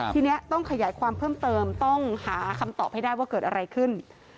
ทีนี้ต้องขยายความเพิ่มเติมต้องหาคำตอบให้ได้ว่าเกิดอะไรขึ้น